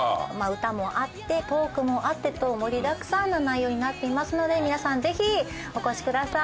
歌もあってトークもあってと盛りだくさんの内容になっていますので皆さんぜひお越しください。